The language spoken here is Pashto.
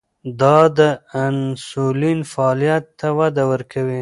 دا د انسولین فعالیت ته وده ورکوي.